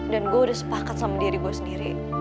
dan gue udah sepakat sama diri gue sendiri